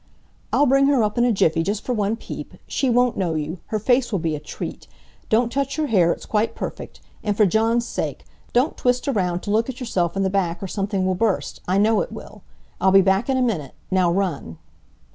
"I'll bring her up in a jiffy, just for one peep. She won't know you! Her face will be a treat! Don't touch your hair it's quite perfect. And f'r Jawn's sake! Don't twist around to look at yourself in the back or something will burst, I know it will. I'll be back in a minute. Now run!"